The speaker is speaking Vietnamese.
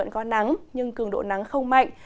có nắng nhưng cường độ nắng không mạnh